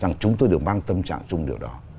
rằng chúng tôi được mang tâm trạng chung điều đó